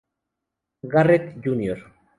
Garrett Jr.